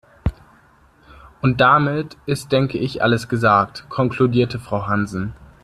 "Und damit ist denke ich alles gesagt", konkludiert Frau Hansen.